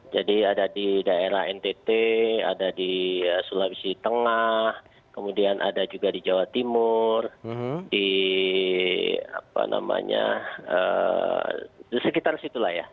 jadi ada di daerah ntt ada di sulawesi tengah kemudian ada juga di jawa timur di apa namanya sekitar situlah ya